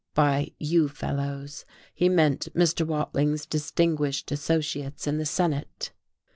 By "you fellows," he meant Mr. Watling's distinguished associates in the Senate....